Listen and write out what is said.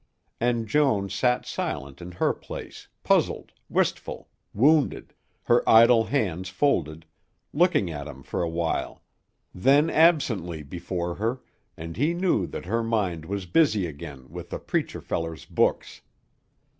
And Joan sat silent in her place, puzzled, wistful, wounded, her idle hands folded, looking at him for a while, then absently before her, and he knew that her mind was busy again with the preacher feller's books.